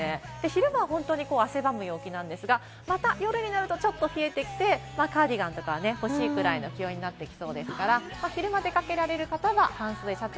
昼間は汗ばむ陽気なんですが、また夜になるとちょっと冷えて来て、カーディガンとか欲しいくらいの気温になってきそうですから、昼間出かけられる方は半袖シャツ。